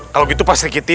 kalau gitu pasti kita